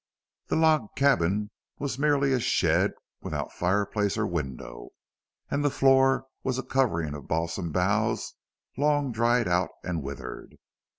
The log cabin was merely a shed, without fireplace or window, and the floor was a covering of balsam boughs, long dried out and withered.